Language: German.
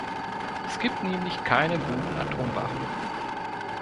Es gibt nämlich keine guten Atomwaffen.